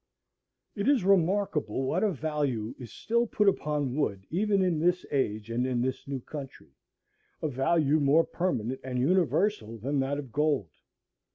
It is remarkable what a value is still put upon wood even in this age and in this new country, a value more permanent and universal than that of gold.